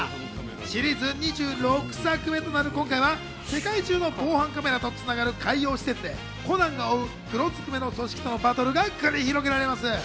シリーズ２６作目となる今回は、世界中の防犯カメラとつながる海洋施設でコナンが追う、黒ずくめの組織とのバトルが繰り広げられます。